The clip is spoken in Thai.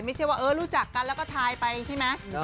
ไม่ใช่ว่าเออรู้จักกันแล้วก็ทายไปใช่ไหม